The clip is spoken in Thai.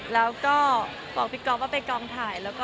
แล้วก็บอกพี่ก๊อฟว่าไปกองถ่าย